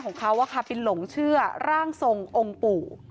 พ่อกับแม่ว่าเป็นหลงเชื่อร่างทรงองค์ปู่